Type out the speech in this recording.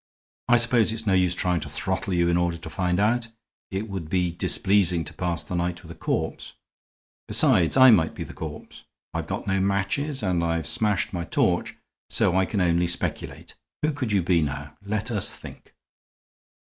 "I suppose it's no use trying to throttle you in order to find out; it would be displeasing to pass the night with a corpse. Besides I might be the corpse. I've got no matches and I've smashed my torch, so I can only speculate. Who could you be, now? Let us think."